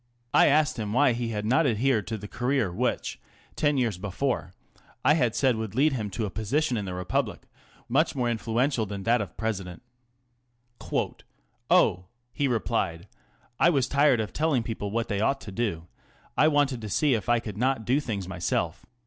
I asked him why he had not adhered to the career which, ten years before, I had said would lead him to a position in the Republic much more influential than that of President. 44 Oh," he replied, " I was tired of telling people ^vhat they ought to do : I wanted to see if I could not do things myself.